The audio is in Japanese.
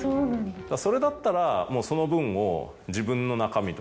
それだったらもうその分を。